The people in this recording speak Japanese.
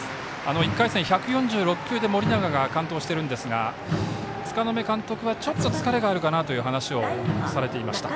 １回戦、１４６球で盛永が完投しているんですが柄目監督はちょっと疲れがあるかなという話をされていました。